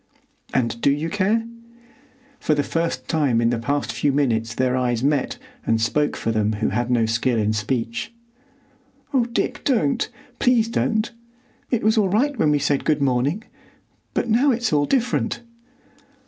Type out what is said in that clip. "And do you care?" For the first time in the past few minutes their eyes met and spoke for them who had no skill in speech.... "Oh, Dick, don't! Please don't! It was all right when we said good morning; but now it's all different!"